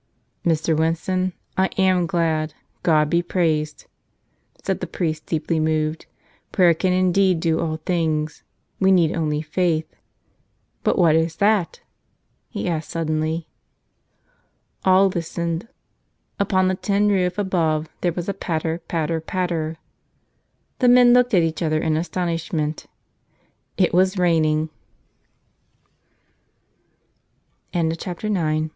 "Mr. Winson, I am glad — God be praised!" said the priest, deeply moved. "Prayer can indeed do all things. We need only faith. But what is that?" he asked suddenly. All listened. Upon the tin roof above there was a patter, patter, patter. The men looked at each other in astonishment. It was raining!